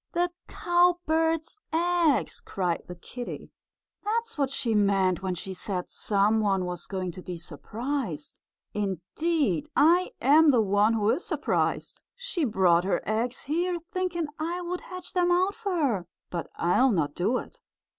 "The cowbird's eggs!" cried the kittie. "That's what she meant when she said some one was going to be surprised. Indeed, I am the one who is surprised. She brought her eggs here, thinking I would hatch them out for her, but I'll not do it!"